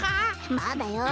まだよ。